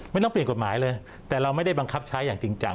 ไม่ต้องเปลี่ยนกฎหมายเลยแต่เราไม่ได้บังคับชัย